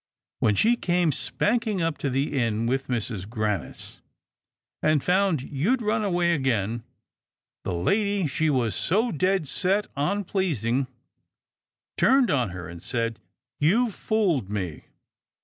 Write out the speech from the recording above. When she came spanking up to the Inn with Mrs. Grannis, and found you'd run away again, the lady she was so dead set on pleasing turned on her and said, * You've fooled me.'